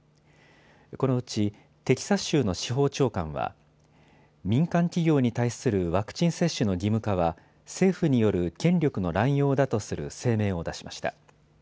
このうちテキサス州の司法長官は民間企業に対するワクチン接種の義務化は政府による権力の乱用だとする声明を出しました。